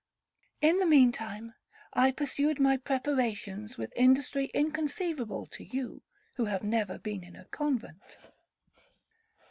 In the mean time, I pursued my preparations with industry inconceivable to you, who have never been in a convent.